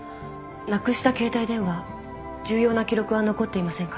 なくした携帯電話重要な記録は残っていませんか？